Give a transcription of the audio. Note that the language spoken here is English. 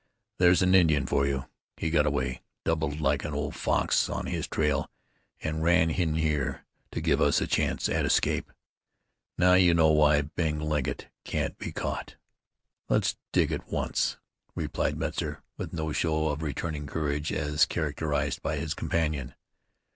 "There's an Indian for you! He got away, doubled like an old fox on his trail, and ran in here to give us a chance at escape. Now you know why Bing Legget can't be caught." "Let's dig at once," replied Metzar, with no show of returning courage such as characterized his companion.